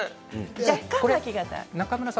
若干、巻き肩。